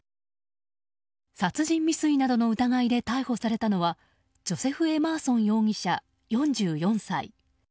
殺人未遂などの疑いで逮捕されたのはジョセフ・エマーソン容疑者４４歳。